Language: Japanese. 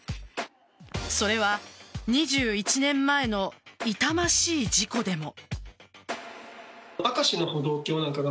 それは２１年前の痛ましい事故でも。